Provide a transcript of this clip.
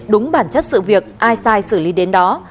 đúng bản chất sự việc ai sai xử lý đến đó